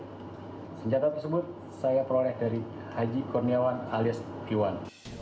senjata tersebut saya peroleh dari haji kurniawan alias iwan